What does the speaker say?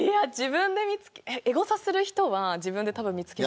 エゴサする人は自分で見つけちゃう。